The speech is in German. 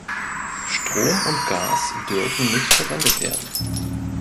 Strom und Gas dürfen nicht verwendet werden.